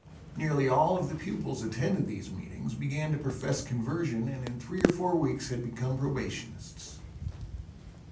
Nearly all of the pupils attended these meetings, began to profess conversion and in three or four weeks had become probationists.